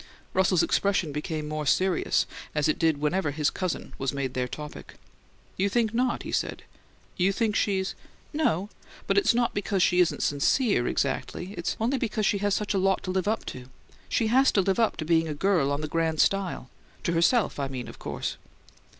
Russell's expression became more serious, as it did whenever his cousin was made their topic. "You think not?" he said. "You think she's " "No. But it's not because she isn't sincere exactly. It's only because she has such a lot to live up to. She has to live up to being a girl on the grand style to herself, I mean, of course."